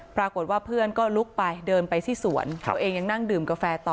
ปรากฏว่าเพื่อนก็ลุกไปเดินไปที่สวนตัวเองยังนั่งดื่มกาแฟต่อ